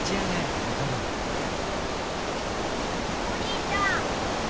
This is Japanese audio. お兄ちゃん。